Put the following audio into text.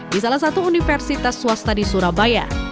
di salah satu universitas swasta di surabaya